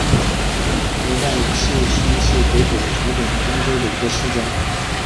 德赖茨希是德国图林根州的一个市镇。